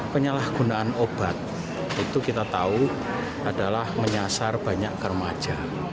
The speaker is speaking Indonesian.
penyalahgunaan obat itu kita tahu adalah menyasar banyak kermaja